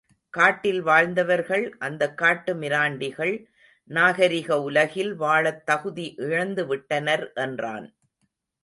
காட்டில் வாழ்ந்தவர்கள் அந்தக் காட்டுமிராண்டிகள் நாகரிக உலகில் வாழத் தகுதி இழந்து விட்டனர் என்றான்.